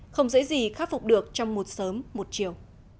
không dễ gì khắc phục được trong một sớm một chiều